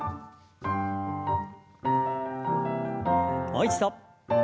もう一度。